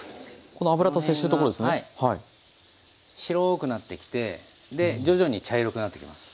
この辺がはい白くなってきてで徐々に茶色くなってきます。